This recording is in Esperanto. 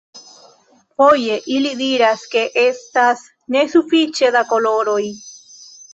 Foje, ili diras ke estas nesufiĉe da koloroj.